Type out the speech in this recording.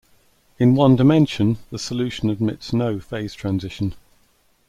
In one dimension, the solution admits no phase transition.